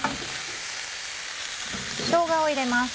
しょうがを入れます。